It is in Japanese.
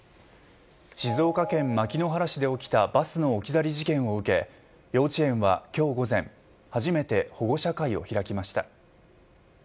静岡県牧之原市で起きたバスの置き去り事件を受け幼稚園は今日午前初めて保護者会を開きました。